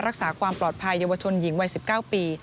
รักษาความปลอดภัยเยาวชนหญิงวัย๑๙ปี